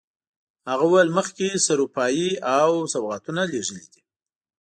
هغه وویل مخکې سروپايي او سوغاتونه لېږلي دي.